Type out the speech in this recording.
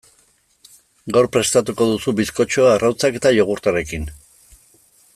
Gaur prestatuko duzu bizkotxoa arrautzak eta jogurtarekin.